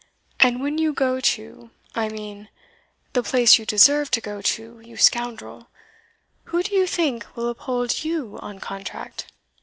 "And when you go to I mean to the place you deserve to go to, you scoundrel, who do you think will uphold you on contract?